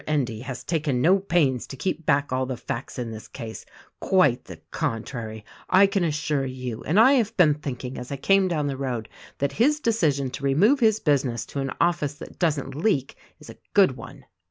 Endy has taken no pains to keep back all the facts in this case — quite the contrary, I can assure you; and I have been thinking — as I came down the road — that his decision to remove his business to an office that doesn't leak, is a good one."